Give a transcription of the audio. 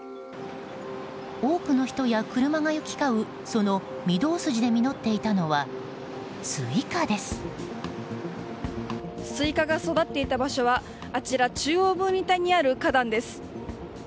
多くの人や車が行き交うその御堂筋でスイカが育っていた場所はあちら中央分離帯にある花壇です。